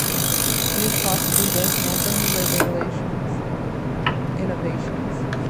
He is possibly best known for his labor relations innovations.